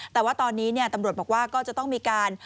แต่ว่าตอนนี้ตำรวจบอกว่าก็จะต้องมีการ